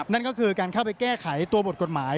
นั่นก็คือการเข้าไปแก้ไขตัวบทกฎหมาย